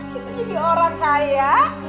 kita jadi orang kaya